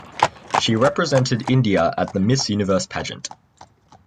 She represented India at the Miss Universe pageant.